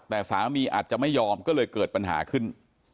แต่สามีอาจจะไม่ยอมก็เลยเกิดปัญหาขึ้น